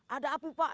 ada api pak